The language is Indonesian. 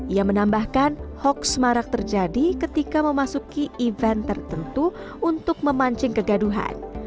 ia menambahkan hoax marak terjadi ketika memasuki event tertentu untuk memancing kegaduhan